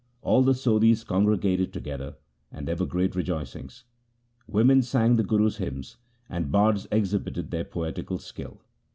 All the Sodhis congregated together, and there were great rejoicings. Women sang the Guru's hymns, and bards exhibited their poetical skill.